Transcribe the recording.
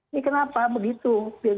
ini kenapa begitu